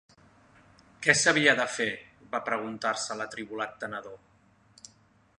Què s'havia de fer?, va preguntar-se l'atribolat tenedor.